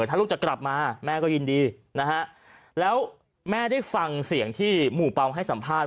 ถ้าลูกจะกลับมาแม่ก็ยินดีนะฮะแล้วแม่ได้ฟังเสียงที่หมู่เปล่าให้สัมภาษณ